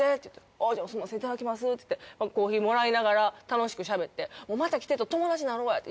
「あぁじゃあすみませんいただきます」って言ってコーヒーもらいながら楽しくしゃべって「また来て」と「友達なろうや」って。